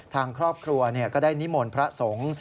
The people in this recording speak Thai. ทางครอบครัวก็ได้นิมนต์พระสงฆ์